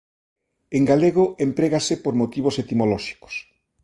En galego emprégase por motivos etimolóxicos.